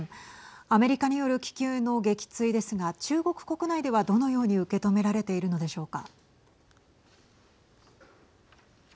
アメリカによる気球の撃墜ですが中国国内では、どのように受け止められているのでしょうか。